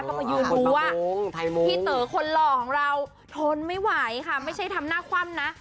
ก็มายืนดูว่าพี่เต๋อคนหล่อของเราทนไม่ไหวค่ะไม่ใช่ทำหน้าคว่ำนะ